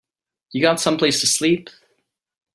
You got someplace to sleep?